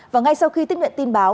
và ngay sau khi tích nguyện tin báo